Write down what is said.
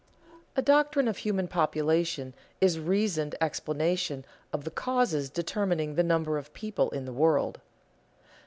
_A doctrine of human population is a reasoned explanation of the causes determining the number of people in the world.